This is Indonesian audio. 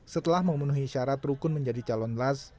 setelah memenuhi syarat rukun menjadi calon las